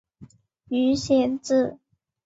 鱼显子